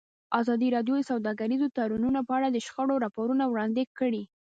ازادي راډیو د سوداګریز تړونونه په اړه د شخړو راپورونه وړاندې کړي.